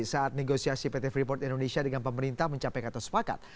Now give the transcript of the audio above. saat negosiasi pt freeport indonesia dengan pemerintah mencapai kata sepakat